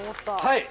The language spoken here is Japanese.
はい。